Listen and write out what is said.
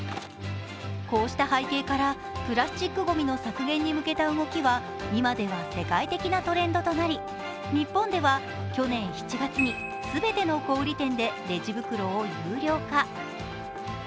こうした背景からプラスチックごみの削減に向けた動きは今では世界的なトレンドとなり日本では去年７月に全ての小売店でレジ袋を有料化。